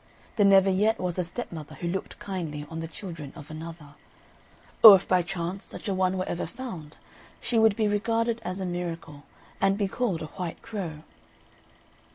There never yet was a stepmother who looked kindly on the children of another; or if by chance such a one were ever found, she would be regarded as a miracle, and be called a white crow.